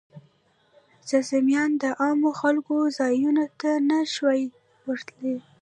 جذامیان د عامو خلکو ځایونو ته نه شوای ورتلی.